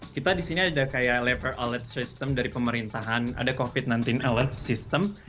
kita di sini ada kayak leper alert system dari pemerintahan ada covid sembilan belas alert system